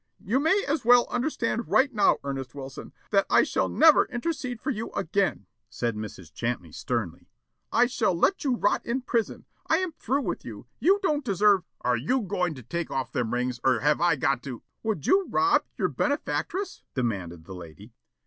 "You may as well understand right now, Ernest Wilson, that I shall never intercede for you again," said Mrs. Champney sternly. "I shall let you rot in prison. I am through with you. You don't deserve " "Are you goin' to take off them rings, or have I got to " "Would you rob your benefactress?" demanded the lady.